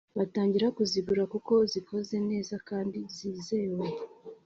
batangire kuzigura kuko zikoze neza kandi zizewe